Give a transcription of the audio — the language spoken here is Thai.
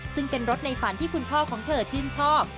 ซึ่งเป็นรถในฝันที่คุณพ่อของเธอชื่นชอบ